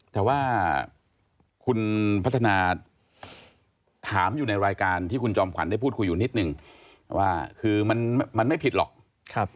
แต่ว่าคุณพัฒนาถามอยู่ในรายการที่คุณจอมขวัญได้พูดคุยอยู่นิดนึงว่าคือมันมันไม่ผิดหรอก